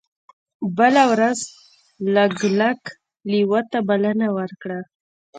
بله ورځ لګلګ لیوه ته بلنه ورکړه.